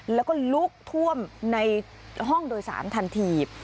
แล้วก็ลุกท่วมในห้องโดยสารทันที